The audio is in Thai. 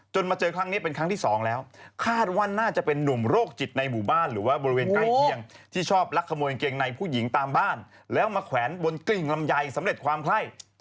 มาเจอครั้งนี้เป็นครั้งที่สองแล้วคาดว่าน่าจะเป็นนุ่มโรคจิตในหมู่บ้านหรือว่าบริเวณใกล้เคียงที่ชอบลักขโมยกางเกงในผู้หญิงตามบ้านแล้วมาแขวนบนกลิ่งลำไยสำเร็จความไข้